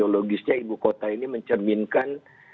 dan antropologisnya ibu kota ini mencerminkan